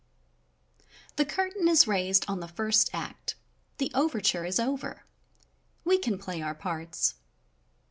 The curtain is raised on the first act — the over ture is over. We can play our parts.